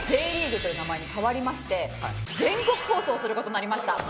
Ｊリーグ』という名前に変わりまして全国放送する事になりました。